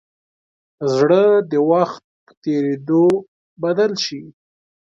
زړه د وخت په تېرېدو بدل شي.